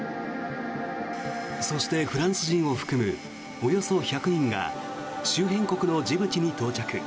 そしてフランス人を含むおよそ１００人が周辺国のジブチに到着。